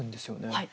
はい。